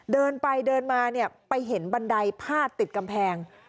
เดินไปเดินมาเนี่ยไปเห็นบันไดพาดติดกำแพง